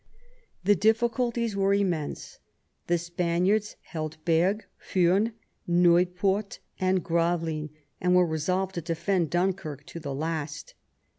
The difficulties were immense. The Spaniards heldBergues, Furnes, Nieuport, andGravelines, and were resolved to defend Dunkirk to the last.